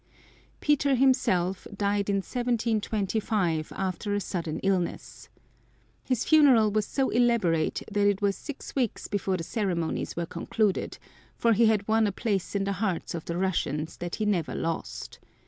Peter himself died in 1725 after a sudden illness. His funeral was so elaborate that it was six weeks before the ceremonies were concluded, for he had won a place in the hearts of the Russians that he never lost.